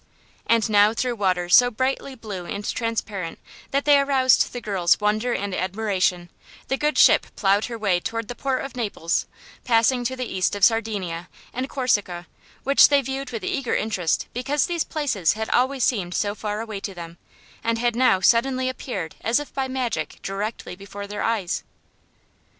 And now through waters so brightly blue and transparent that they aroused the girls' wonder and admiration, the good ship plowed her way toward the port of Naples, passing to the east of Sardinia and Corsica, which they viewed with eager interest because these places had always seemed so far away to them, and had now suddenly appeared as if by magic directly before their eyes.